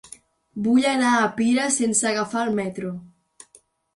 Vull anar a Pira sense agafar el metro.